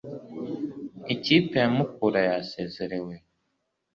ikipe ya mukura yasezerewe